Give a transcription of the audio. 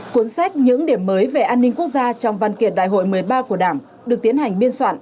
cuốn sách những điểm mới về an ninh quốc gia trong văn kiện đại hội một mươi ba của đảng được tiến hành biên soạn